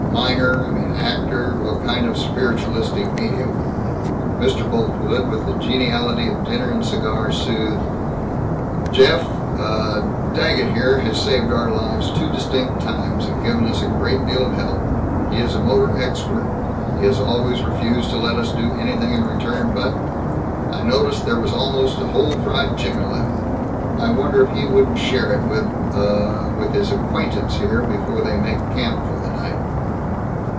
Miner I mean actor well, kind of spiritualistic medium " Mr. Boltwood, with the geniality of dinner and cigar, soothed, "Jeff, uh, Daggett here has saved our lives two distinct times, and given us a great deal of help. He is a motor expert. He has always refused to let us do anything in return but I noticed there was almost a whole fried chicken left. I wonder if he wouldn't share it with, uh, with his acquaintance here before before they make camp for the night?"